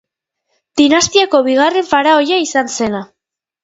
Dinastiako bigarren faraoia izan zena.